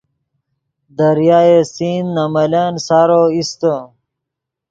دریائے سندھ نے ملن سارو ایستے